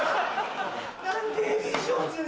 何でエディー・ジョーンズに。